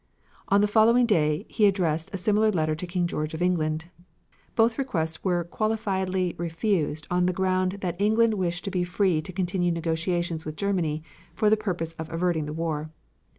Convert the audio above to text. On the following day he addressed a similar letter to King George of England. Both requests were qualifiedly refused on the ground that England wished to be free to continue negotiations with Germany for the purpose of averting the war.